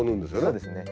そうですね。